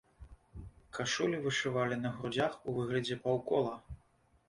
Кашулі вышывалі на грудзях у выглядзе паўкола.